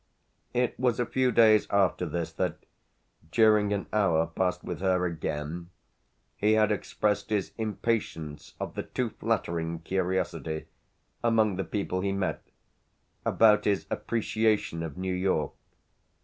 It was a few days after this that, during an hour passed with her again, he had expressed his impatience of the too flattering curiosity among the people he met about his appreciation of New York.